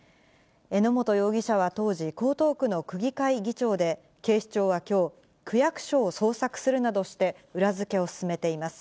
榎本容疑者は当時、江東区の区議会議長で、警視庁はきょう、区役所を捜索するなどして裏付けを進めています。